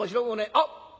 あっ！